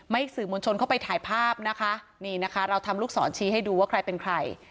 สื่อมวลชนเข้าไปถ่ายภาพนะคะนี่นะคะเราทำลูกศรชี้ให้ดูว่าใครเป็นใคร